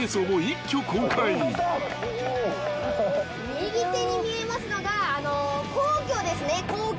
右手に見えますのがあの皇居ですね皇居。